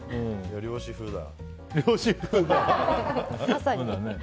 漁師風だ。